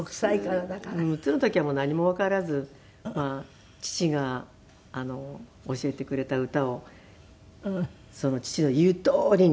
６つの時は何もわからず父が教えてくれた歌を父の言うとおりに。